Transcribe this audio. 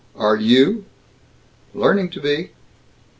Are you?" "Learning to be!"